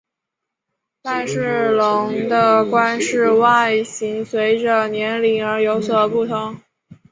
赖氏龙的冠饰外形随者年龄而有所不同。